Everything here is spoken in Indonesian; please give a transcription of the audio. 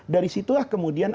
dari situlah kemudian